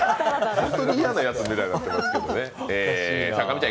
本当に嫌なやつになってますけどね。